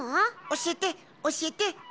おしえておしえて。